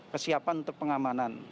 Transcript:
kesiapan untuk pengamanan